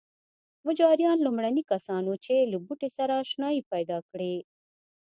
مجاریان لومړني کسان وو چې له بوټي سره اشنايي پیدا کړې.